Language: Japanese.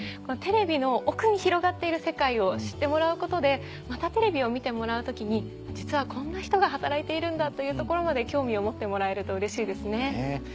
テレビの奥に広がっている世界を知ってもらうことでまたテレビを見てもらう時に実はこんな人が働いているんだというところまで興味を持ってもらえるとうれしいですね。